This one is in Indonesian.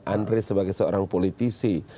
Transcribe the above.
andre sebagai seorang politisi